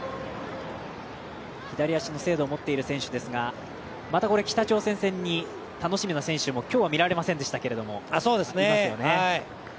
左足の精度を持っている選手ですがまた北朝鮮戦に楽しみな選手も今日は、見られませんでしたがいますよね。